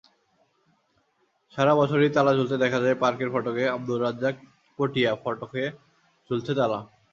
সারা বছরই তালা ঝুলতে দেখা যায় পার্কের ফটকেআবদুর রাজ্জাক, পটিয়াফটকে ঝুলছে তালা।